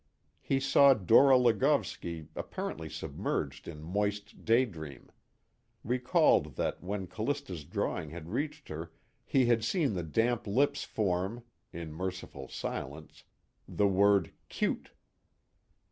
He saw Dora Lagovski apparently submerged in moist daydream; recalled that when Callista's drawing had reached her he had seen the damp lips form (in merciful silence) the word "cute."